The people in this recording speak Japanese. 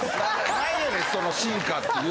何やねんその進化っていう。